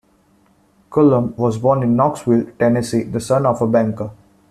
Cullum was born in Knoxville, Tennessee, the son of a banker.